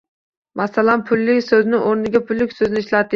Masalan, pulli soʻzi oʻrniga pullik soʻzini ishlatish